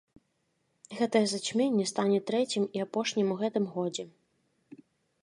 Гэтае зацьменне стане трэцім і апошнім у гэтым годзе.